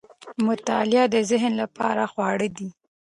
مطالعه د ذهن لپاره خواړه دي.